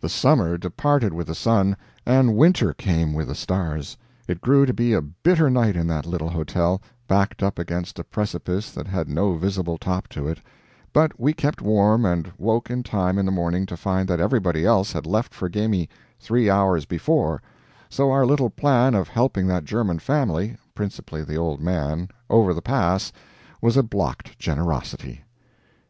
The summer departed with the sun, and winter came with the stars. It grew to be a bitter night in that little hotel, backed up against a precipice that had no visible top to it, but we kept warm, and woke in time in the morning to find that everybody else had left for Gemmi three hours before so our little plan of helping that German family (principally the old man) over the pass, was a blocked generosity.